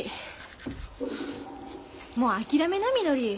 もう諦めなみのり。